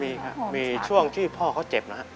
มีครับมีช่วงที่พ่อเขาเจ็บนะครับ